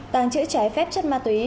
tàng trữ trái phép chất ma túy